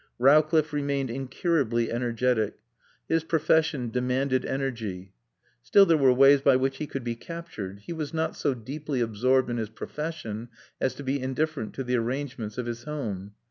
Rowcliffe remained incurably energetic. His profession demanded energy. Still, there were ways by which he could be captured. He was not so deeply absorbed in his profession as to be indifferent to the arrangements of his home.